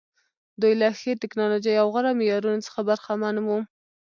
دوی له ښې ټکنالوژۍ او غوره معیارونو څخه برخمن وو.